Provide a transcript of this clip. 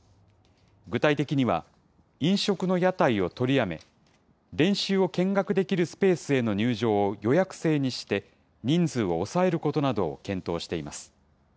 具体的には、飲食の屋台を取りやめ、練習を見学できるスペースへの入場を予約制にして、人数を抑えることなどを検討しています。